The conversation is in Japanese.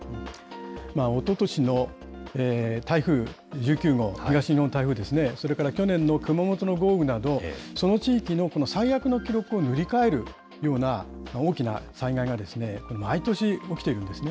おととしの台風１９号、東日本台風ですね、それから去年の熊本の豪雨など、その地域の最悪の記録を塗り替えるような大きな災害が、毎年、起きているんですね。